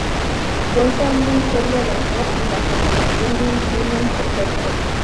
Cuenta una historia de amor y la preparación de un crimen perfecto.